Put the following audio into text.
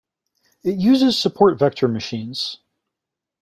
It uses support vector machines.